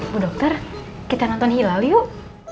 bu dokter kita nonton hilal yuk